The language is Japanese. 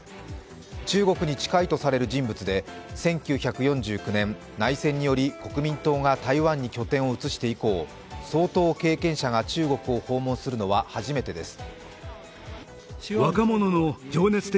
中国に近いとされる人物で１９４９年、内戦により国民党が台湾に拠点を移して以降総統経験者が中国を訪問するのは初めてです。